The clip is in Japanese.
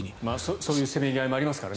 そういうせめぎ合いもありますからね。